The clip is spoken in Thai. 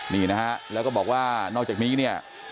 นี่นะฮะแล้วก็บอกว่านอกจากนี้เนี่ย